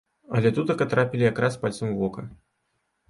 Але тутака трапілі якраз пальцам у вока.